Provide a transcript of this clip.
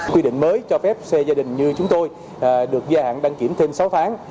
quy định mới cho phép xe gia đình như chúng tôi được gia hạn đăng kiểm thêm sáu tháng